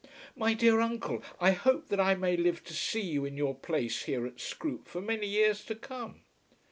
"My dear uncle, I hope that I may live to see you in your own place here at Scroope for many years to come."